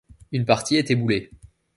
Une partie est éboulé.